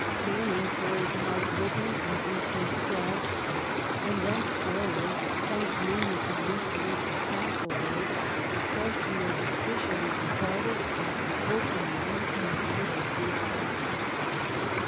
Canning carried the House with him in 1812, and thenceforward, thanks mainly to the influence of Castle reagh, the question was officially regarded as an " open " one in the Liverpool Cabinet.